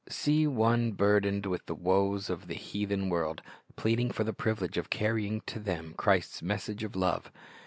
See one burdened with the w^oes of the heathen world, pleading for the privilege of carrying to them Christ's message of love.